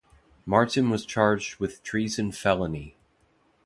Martin was charged with treason felony.